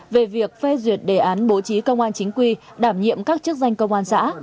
về việc phê duyệt đề án bố trí công an chính quy đảm nhiệm các chức danh công an xã